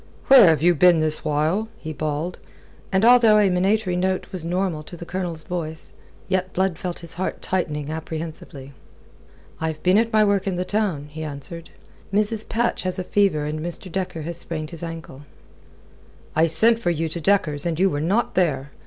"Where have you been this while?" he bawled, and although a minatory note was normal to the Colonel's voice, yet Blood felt his heart tightening apprehensively. "I've been at my work in the town," he answered. "Mrs. Patch has a fever and Mr. Dekker has sprained his ankle." "I sent for you to Dekker's, and you were not there.